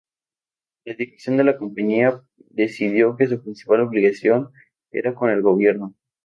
La dirección de la compañía decidió que su principal obligación era con el gobierno.